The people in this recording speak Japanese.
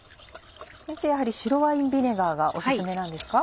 先生やはり白ワインビネガーがお薦めなんですか？